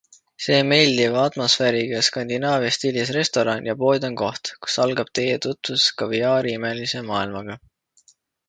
See meeldiva atmosfääriga skandinaavia stiilis restoran ja pood on koht, kust algab teie tutvus kaviaari imelise maailmaga.